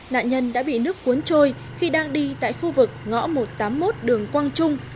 nạn nhân đã bị nước cuốn trôi khi đang đi tại khu vực ngõ một trăm tám mươi một đường quang trung